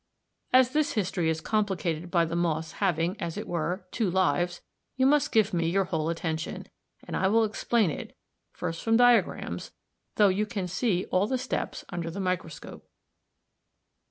As this history is complicated by the moss having, as it were, two lives, you must give me your whole attention, and I will explain it first from diagrams, though you can see all the steps under the microscope.